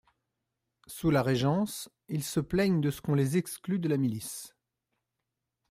Sous la Régence, ils se plaignent de ce qu'on les exclut de la milice.